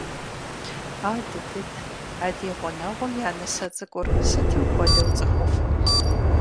Адыдыд, а ди гъунэгъум я нысэ цӀыкӀур сытым хуэдэу цӀыхуфӏ.